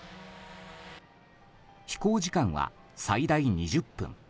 飛行時間は最大２０分。